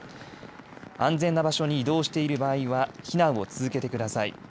安全な場所に移動している場合は避難を続けてください。